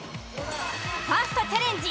ファーストチャレンジ